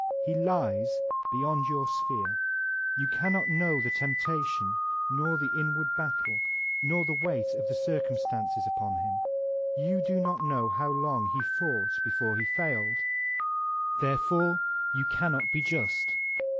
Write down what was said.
He lies beyond your sphere ; you cannot know die temptation nor the inward battle nor the weight of the circumstances upon him. You do not know how long he fought before he failed. Therefore you cannot be just.